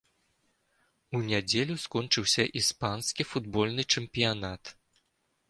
У нядзелю скончыўся іспанскі футбольны чэмпіянат.